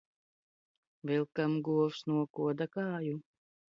Vilkam govs nokoda kāju.